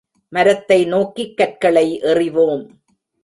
மரத்தை நோக்கிக் கற்களை எறிவோம்.